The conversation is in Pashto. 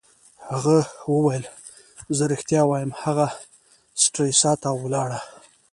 هغه وویل: زه ریښتیا وایم، هغه سټریسا ته ولاړه.